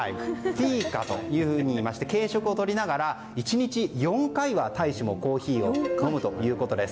フィーカと言いまして軽食を取りながら１日４回は大使もコーヒーを飲むということです。